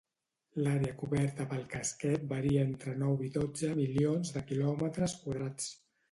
L'àrea coberta pel casquet varia entre nou i dotze milions de quilòmetres quadrats.